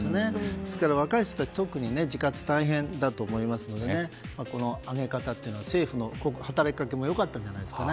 ですから、若い人たちは特に自活が大変だと思いますのでこの上げ方は、政府の働きかけもよかったんじゃないですかね。